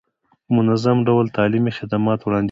په منظم ډول تعلیمي خدمات وړاندې کړي.